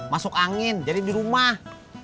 masuk angin jadi dirumah